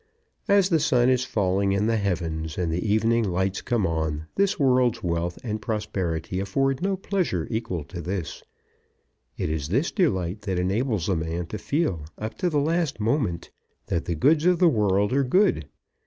As the sun is falling in the heavens and the evening lights come on, this world's wealth and prosperity afford no pleasure equal to this. It is this delight that enables a man to feel, up to the last moment, that the goods of the world are good.